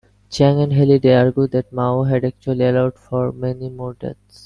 Chang and Halliday argue that Mao had actually allowed for many more deaths.